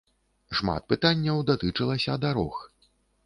Шмат пытанняў датычылася дарог.